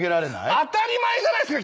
当たり前じゃないですか。